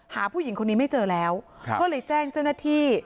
หาผู้หญิงคนนี้ไม่เจอแล้วครับเพราะเลยแจ้งเจ้าหน้าที่